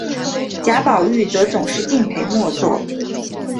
贾宝玉则总是敬陪末座。